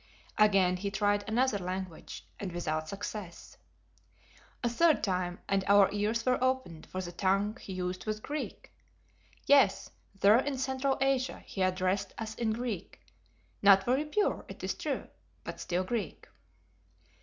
Again he tried another language and without success. A third time and our ears were opened, for the tongue he used was Greek; yes, there in Central Asia he addressed us in Greek, not very pure, it is true, but still Greek.